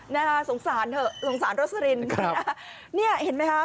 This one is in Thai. น่าสงสารเถอะสงสารโรสลินนี่เห็นไหมครับ